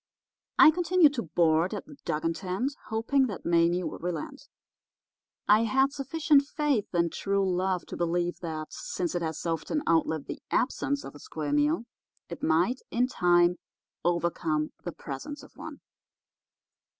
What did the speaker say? "I continued to board at the Dugan tent, hoping that Mame would relent. I had sufficient faith in true love to believe that since it has often outlived the absence of a square meal it might, in time, overcome the presence of one.